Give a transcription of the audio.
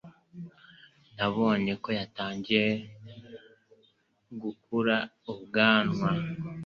Nabonye ko yatangiye gukura ubwanwa.